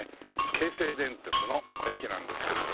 京成電鉄の駅なんですけども。